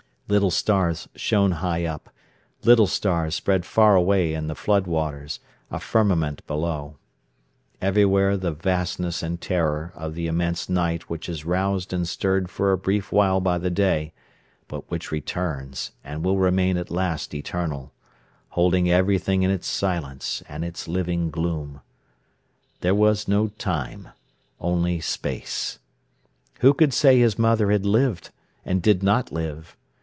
Little stars shone high up; little stars spread far away in the flood waters, a firmament below. Everywhere the vastness and terror of the immense night which is roused and stirred for a brief while by the day, but which returns, and will remain at last eternal, holding everything in its silence and its living gloom. There was no Time, only Space. Who could say his mother had lived and did not live?